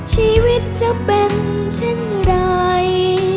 ชีวิตจะเป็นเช่นใด